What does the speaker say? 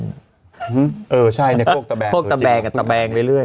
อืมเออใช่เนี้ยโคกตะแบงโคกตะแบงกับตะแบงไปเรื่อย